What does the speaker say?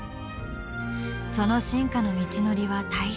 その進化の道のりは対照的。